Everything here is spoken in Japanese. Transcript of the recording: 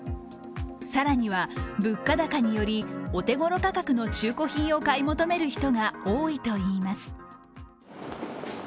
更には、物価高により、お手ごろ価格の中古品を買い求める人が多いといいます。